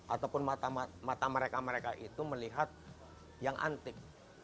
ataupun mata mereka mereka itu melihat yang antik